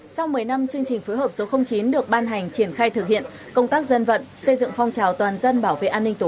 sau một mươi năm chương trình phối hợp số chín được ban hành triển khai thực hiện công tác dân vận xây dựng phong trào toàn dân bảo vệ an ninh tổ quốc